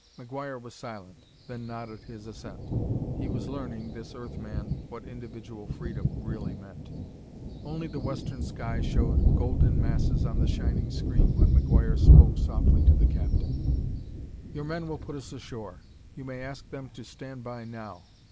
McGuire was silent, then nodded his assent. He was learning, this Earth man, what individual freedom really meant. Only the western sky showed golden masses on the shining screen when McGuire spoke softly to the captain: "Your men will put us ashore; you may ask them to stand by now."